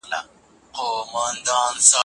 پښتنو ولې بېرته کندهار ته سفر وکړ؟